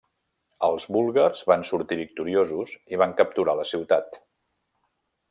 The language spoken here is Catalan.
Els búlgars van sortir victoriosos i van capturar la ciutat.